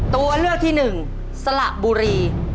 ตัวเลือกที่หนึ่งสละบุรี